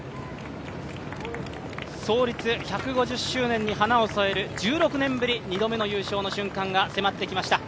創立１５０周年に花を添える１６年ぶり２度目の優勝の瞬間が迫ってきました。